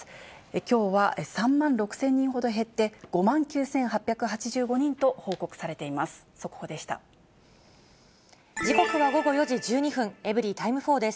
きょうは３万６０００人ほど減って、５万９８８５人と報告されています。